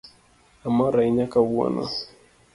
Amor ahinya kawuono